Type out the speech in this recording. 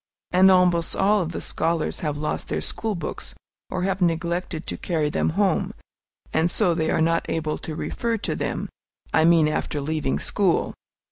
And almost all of the scholars have lost their school books, or have neglected to carry them home, and so they are not able to refer to them, I mean, after leaving school.